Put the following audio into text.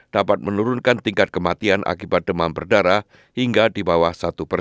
dapat menurunkan tingkat kematian akibat demam berdarah hingga di bawah satu persen